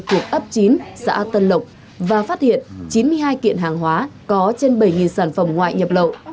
thuộc ấp chín xã tân lộc và phát hiện chín mươi hai kiện hàng hóa có trên bảy sản phẩm ngoại nhập lậu